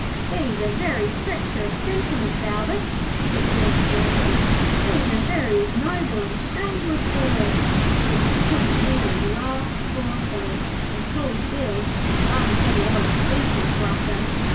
'These are very treacherous sentiments, Albert,' said Bill sternly. 'These are very ignoble and shameless words,' but the Puddin' merely laughed scornfully, and called Bill a bun headed old beetle crusher.